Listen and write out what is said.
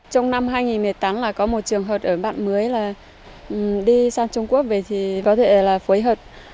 trong năm hai nghìn một mươi tám là có một trường hợp ở bạn mới là đi sang trung quốc về thì có thể là phối hợp